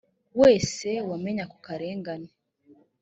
wese wamenye ako karengane